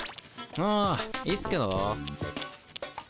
あいいっすけど。